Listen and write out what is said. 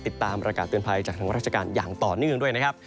ติดตามประกาศเตือนภัยจากทางราชการอย่างต่อเนื่องด้วยนะครับ